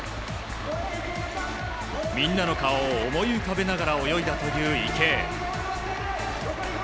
みんなの顔を思い浮かべながら泳いだという池江。